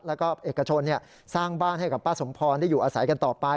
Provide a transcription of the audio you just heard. แล้วก็เอกชนสร้างบ้านให้กับป้าสมพรได้อยู่อาศัยกันต่อไป